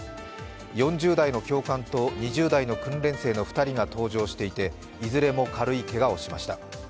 ４０代の教官と２０代の訓練生の２人が搭乗していて、いずれも軽いけがをしました。